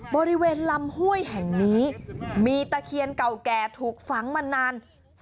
บริเวณลำห้วยแห่งนี้มีตะเคียนเก่าแก่ถูกฝังมานาน